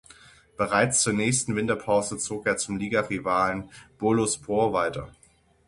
Bereits zur nächsten Winterpause zog er zum Ligarivalen Boluspor weiter.